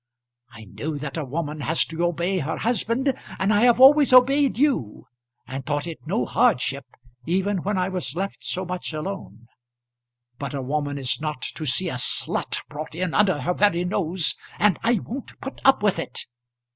I know that a woman has to obey her husband, and I have always obeyed you, and thought it no hardship even when I was left so much alone; but a woman is not to see a slut brought in under her very nose, and I won't put up with it.